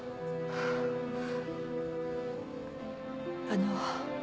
あの。